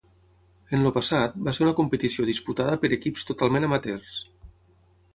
En el passat, va ser una competició disputada per equips totalment amateurs.